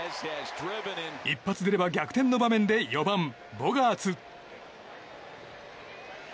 一発出れば逆転の場面で４番ボガーツ。